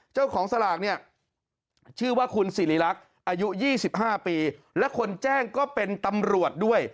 เจ้าของสลากเนี่ยชื่อว่าคุณสิริรักษ์อายุ๒๕ปีและคนแจ้งก็เป็นตำรวจด้วย